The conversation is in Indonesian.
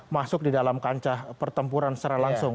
masuk di dalam kancah pertempuran secara langsung